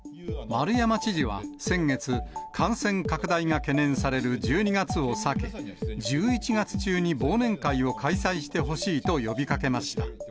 丸山知事は先月、感染拡大が懸念される１２月を避け、１１月中に忘年会を開催してほしいと呼びかけました。